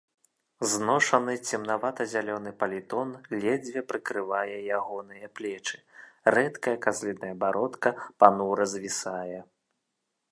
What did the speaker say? Зношаны цемнавата-зялёны палітон ледзьве прыкрывае ягоныя плечы, рэдкая казліная бародка панура звісае.